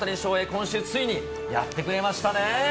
今週ついに、やってくれましたねー。